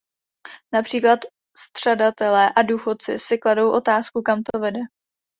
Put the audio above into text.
Například střadatelé a důchodci si kladou otázku, kam to vede.